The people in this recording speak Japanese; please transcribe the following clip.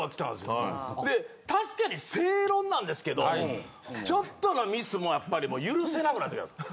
確かに正論なんですけどちょっとのミスもやっぱりもう許せなくなってきたんです！